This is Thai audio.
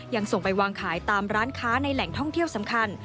ยังส่งไปวางขายตามร้านค้าในแหล่งท่องเที่ยวสำคัญ